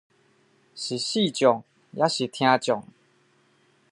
是視障還是聽障